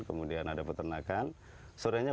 kemudian ada peternakan sorenya